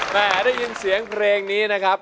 แม่ได้ยินเสียงเพลงนี้นะครับ